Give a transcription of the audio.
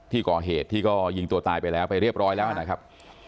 ที่ก่อเหตุที่ก็ยิงตัวตายไปแล้วไปเรียบร้อยแล้วนะครับ